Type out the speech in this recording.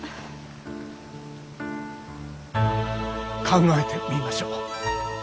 考えてみましょう。